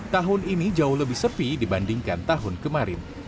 tahun ini jauh lebih sepi dibandingkan tahun kemarin